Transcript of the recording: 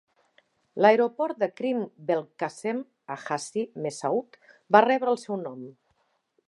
L'aeroport de Krim Belkacem a Hassi Messaoud va rebre el seu nom.